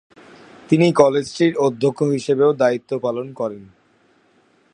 তিনি কলেজটির অধ্যক্ষ হিসেবেও দায়িত্ব পালন করেন।